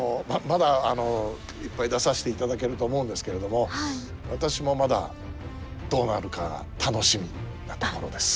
まだいっぱい出させていただけると思うんですけれども私もまだどうなるか楽しみなところです。